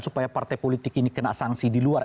supaya partai politik ini kena sanksi di luar